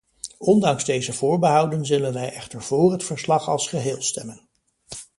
Ondanks deze voorbehouden zullen wij echter vóór het verslag als geheel stemmen.